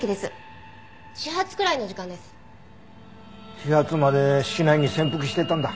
始発まで市内に潜伏してたんだ。